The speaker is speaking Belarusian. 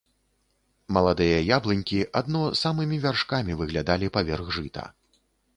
Маладыя яблынькі адно самымі вяршкамі выглядалі паверх жыта.